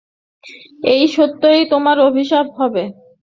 এই সত্যই তোমার অভিশাপ হবে।